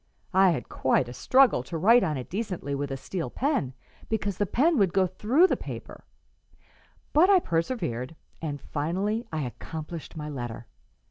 I had quite a struggle to write on it decently with a steel pen, because the pen would go through the paper; but I persevered, and finally I accomplished my letter.